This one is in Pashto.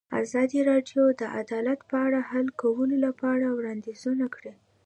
ازادي راډیو د عدالت په اړه د حل کولو لپاره وړاندیزونه کړي.